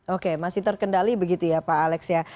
oke masih terkendali begitu ya pak alex ya